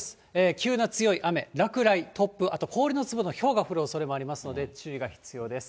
急な強い雨、落雷、突風、あと氷の粒のひょうが降るおそれもありますので、注意が必要です。